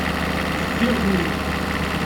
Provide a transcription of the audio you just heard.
Yessiɣ times.